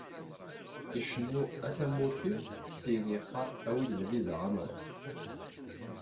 Icennu "A tamurt-iw", syin yeqqar "Awi-d lviza ad nruḥ"!